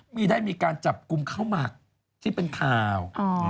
มีได้มีการจับกลุ่มข้าวหมักที่เป็นข่าว